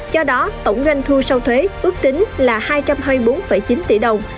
do đó tổng doanh thu sau thuế ước tính là hai trăm hai mươi bốn chín tỷ đồng